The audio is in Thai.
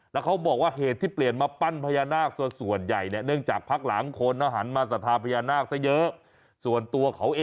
แล้วเขาบอกว่าเหตุที่เปลี่ยนมาปั้นพญานาค